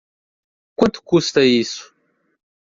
Quanto custa isso?